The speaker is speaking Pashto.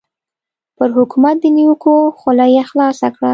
پر حکومت د نیوکو خوله یې خلاصه کړه.